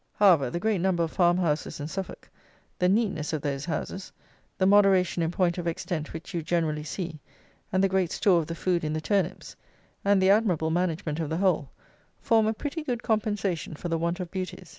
However, the great number of farm houses in Suffolk, the neatness of those houses, the moderation in point of extent which you generally see, and the great store of the food in the turnips, and the admirable management of the whole, form a pretty good compensation for the want of beauties.